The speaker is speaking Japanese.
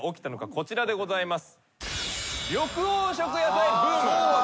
こちらでございます。